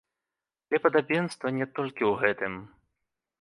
Але падабенства не толькі ў гэтым.